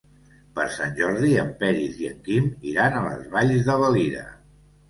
Per Sant Jordi en Peris i en Quim iran a les Valls de Valira.